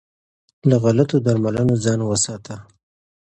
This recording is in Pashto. له غلطو درملنو ځان وساته.